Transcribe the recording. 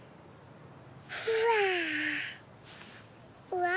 うわ。